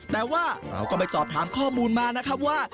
แต่ว่าเราก็ไปสอบถามข้อมูลมานะครับว่า